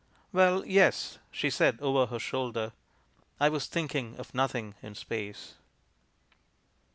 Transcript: "Well, yes," she said over her shoulder: "I was thinking of nothing in space."